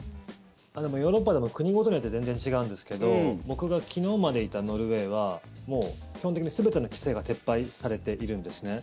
でもヨーロッパでも国ごとによって全然違うんですが僕が昨日までいたノルウェーはもう基本的に全ての規制が撤廃されているんですね。